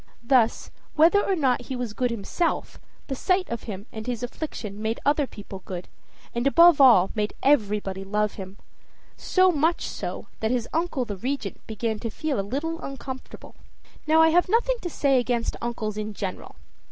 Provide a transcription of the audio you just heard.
Thus, whether or not he was good himself, the sight of him and his affliction made other people good, and, above all, made everybody love him so much so, that his uncle the Regent began to feel a little uncomfortable. Now, I have nothing to say against uncles in general.